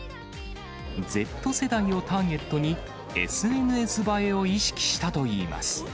Ｚ世代をターゲットに、ＳＮＳ映えを意識したといいます。